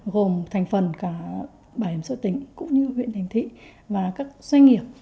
gồm thành phần cả bảo hiểm xã hội tỉnh cũng như huyện thành thị và các doanh nghiệp